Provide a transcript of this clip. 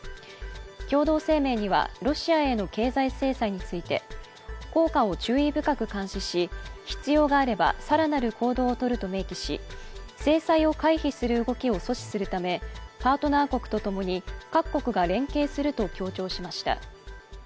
共同声明には、ロシアへの経済制裁について、効果を注意深く監視し必要があれば更なる行動を取ると明記し、制裁を回避する動きを阻止するためパートナー国と共に各国が連携すると強調しました。